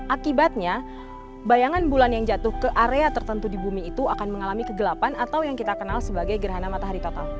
akibatnya bayangan bulan yang jatuh ke area tertentu di bumi itu akan mengalami kegelapan atau yang kita kenal sebagai gerhana matahari total